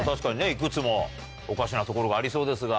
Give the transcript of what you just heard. いくつもおかしなところがありそうですが。